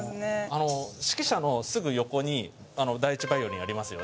あの指揮者のすぐ横に第１バイオリンありますよね。